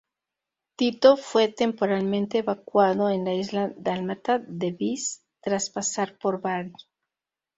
Tito fue temporalmente evacuado a la isla dálmata de Vis tras pasar por Bari.